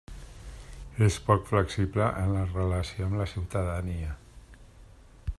És poc flexible en la relació amb la ciutadania.